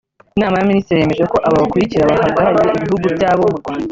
Inama y’Abaminisitiri yemeje ko aba bakurikira bahagararira Ibihugu byabo mu Rwanda